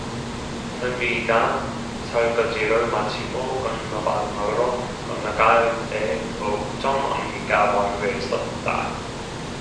선비가 설거지를 마치고 건넌방으로 건너갈 때 옥점 어머니가 마루에 섰다.